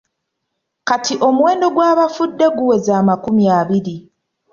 Kati omuwendo gw’abafudde guweze amakumi abiri.